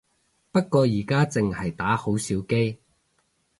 不過而家淨係打好少機